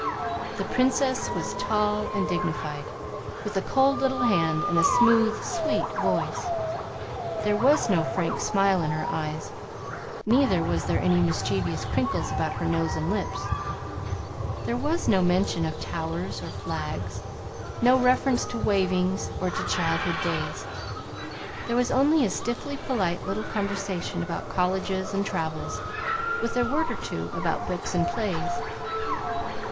The Princess was tall and dignified, with a cold little hand and a smooth, sweet voice. There was no frank smile in her eyes, neither were there any mischievous crinkles about her nose and lips. There was no mention of towers or flags; no reference to wavings or to childhood's days. There was only a stiffly polite little conversation about colleges and travels, with a word or two about books and plays.